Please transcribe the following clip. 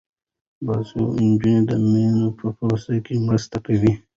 باسواده نجونې د میوو په پروسس کې مرسته کوي.